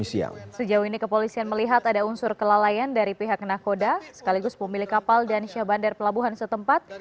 sejauh ini kepolisian melihat ada unsur kelalaian dari pihak nakoda sekaligus pemilik kapal dan syah bandar pelabuhan setempat